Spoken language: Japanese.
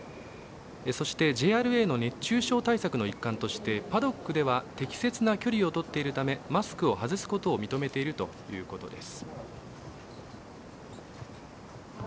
そして、ＪＲＡの熱中症対策の一環としてパドックでは適切な距離をとっているためマスクを外すことを認めているということです。